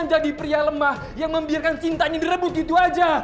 menjadi pria lemah yang membiarkan cintanya direbut gitu aja